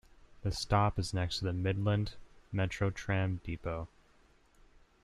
The stop is next to the Midland Metro tram depot.